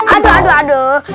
aduh aduh aduh